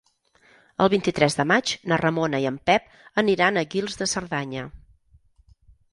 El vint-i-tres de maig na Ramona i en Pep aniran a Guils de Cerdanya.